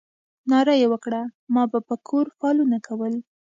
ناره یې وکړه ما به په کور فالونه کول.